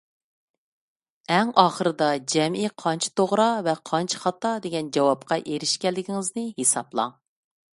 ئەڭ ئاخىرىدا جەمئىي قانچە «توغرا» ۋە قانچە «خاتا» دېگەن جاۋابقا ئېرىشكەنلىكىڭىزنى ھېسابلاڭ.